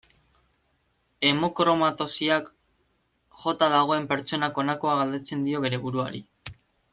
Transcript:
Hemokromatosiak jota dagoen pertsonak honakoa galdetzen dio bere buruari.